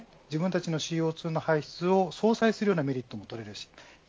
自分たちのＣＯ２の排出を相殺するようなメリットもあります。